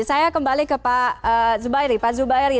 saya kembali ke pak zubairi